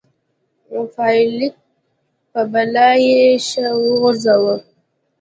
فلیریک په بلا یو شی وغورځاوه.